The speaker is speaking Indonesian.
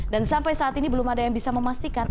dan sampai saat ini belum ada yang bisa memastikan